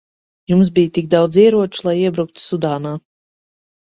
Jums bija tik daudz ieroču, lai iebruktu Sudānā.